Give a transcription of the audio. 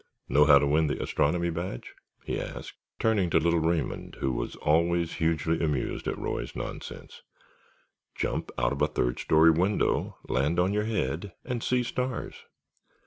Know how to win the Astronomy Badge?" he asked, turning to little Raymond who was always hugely amused at Roy's nonsense. "Jump out of a third story window, land on your head and see stars.